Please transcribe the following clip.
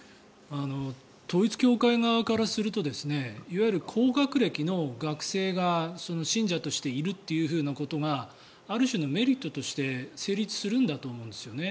統一教会側からするといわゆる高学歴の学生が信者としているということがある種のメリットとして成立するんだと思うんですね。